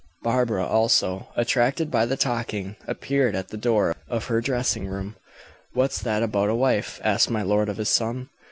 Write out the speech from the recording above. Barbara, also, attracted by the talking, appeared at the door of her dressing room. "What's that about a wife?" asked my lord of his son.